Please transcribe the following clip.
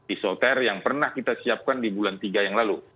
isoter yang pernah kita siapkan di bulan tiga yang lalu